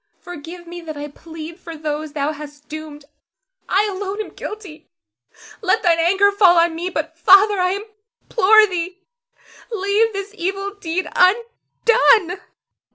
Forgive me that I plead for those thou hast doomed! I alone am guilty, let thine anger fall on me; but, Father, I implore thee, leave this evil deed undone.